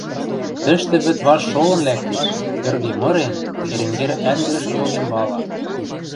Тӹштӹ вӹд важ шолын лӓктеш, тьырге мырен, Эренгер ӓнгӹрӹш йоген вала.